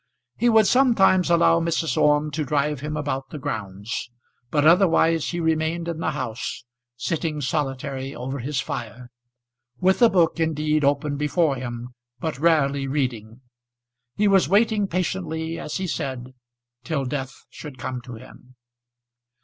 He would sometimes allow Mrs. Orme to drive him about the grounds, but otherwise he remained in the house, sitting solitary over his fire, with a book, indeed, open before him, but rarely reading. He was waiting patiently, as he said, till death should come to him.